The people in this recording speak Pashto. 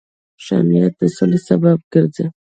ښه نیت د سولې سبب ګرځي.